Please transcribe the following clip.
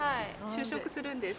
就職するんです。